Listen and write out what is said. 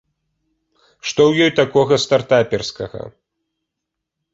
Што ў ёй такога стартаперскага?